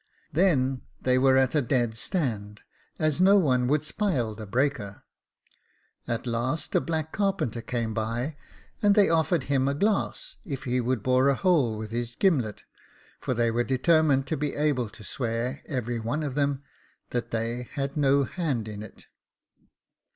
Then they were at a dead stand, as no one would spile the breaker. At last a black carpenter came by, and they offered him a glass, if he would bore a hole with his gimlet, for they were determined to be able to swear, every one of them, that they had no hand in it.